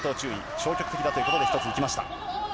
消極的だということで１つ、いきました。